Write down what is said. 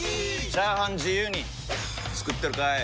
チャーハン自由に作ってるかい！？